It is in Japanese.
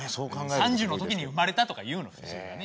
３０の時に生まれたとか言うの普通はね。